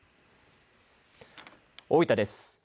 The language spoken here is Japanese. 大分です。